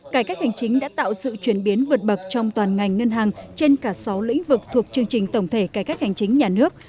cải cách hành chính đã tạo sự chuyển biến vượt bậc trong toàn ngành ngân hàng trên cả sáu lĩnh vực thuộc chương trình tổng thể cải cách hành chính nhà nước